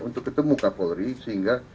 untuk ketemu kapolri sehingga